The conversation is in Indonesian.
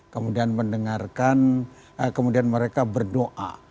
kemudian mendengarkan kemudian mereka berdoa